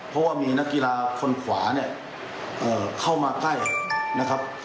เพราะว่ามีนักกีฬาคนขวาเนี่ยเข้ามาใกล้นะครับ